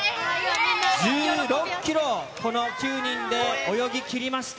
１６キロ、この９人で泳ぎきりました。